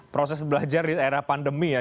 proses belajar di era pandemi ya